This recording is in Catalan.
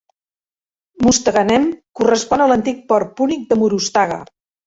Mostaganem correspon a l'antic port púnic de Murustaga.